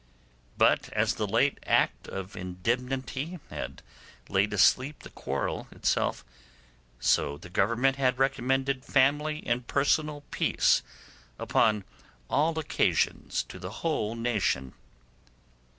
But as the late Act of Indemnity had laid asleep the quarrel itself, so the Government had recommended family and personal peace upon all occasions to the whole nation.